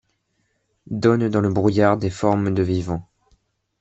Donnent dans le brouillard des formes de vivants ;